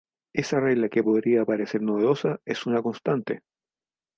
Esa regla que podría parecer novedosa es una constante.